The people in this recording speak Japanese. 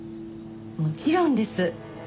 もちろんです。